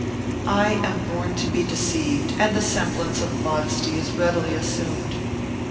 I am born to be deceived, and the semblance of modesty is readily assumed.